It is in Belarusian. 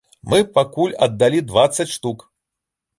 Мы пакуль аддалі дваццаць штук.